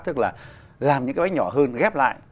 tức là làm những cái nhỏ hơn ghép lại